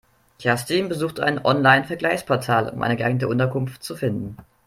Kerstin besuchte ein Online-Vergleichsportal, um eine geeignete Unterkunft zu finden.